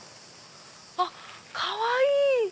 あっかわいい！